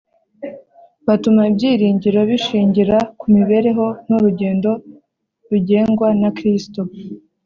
batuma ibyiringiro bishingira ku mibereho n’urugendo bigengwa na Kristo.